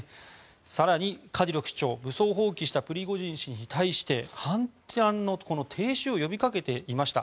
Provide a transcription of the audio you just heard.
更に、カディロフ首長は武装蜂起したプリゴジン氏に対して反乱の停止を呼び掛けていました。